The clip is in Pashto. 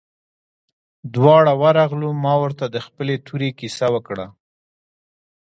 دواړه ورغلو ما ورته د خپلې تورې كيسه وكړه.